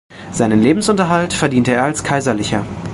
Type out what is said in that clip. Seinen Lebensunterhalt verdiente er als "kaiserl.